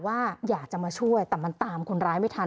ว่าอยากจะมาช่วยแต่มันตามคนร้ายไม่ทัน